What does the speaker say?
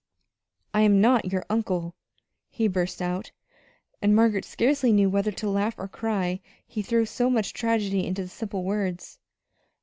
"I am not your uncle," he burst out; and Margaret scarcely knew whether to laugh or to cry, he threw so much tragedy into the simple words.